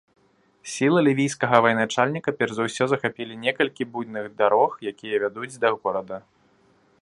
Сілы лівійскага ваеначальніка перш за ўсё захапілі некалькі буйных дарог, якія вядуць да горада.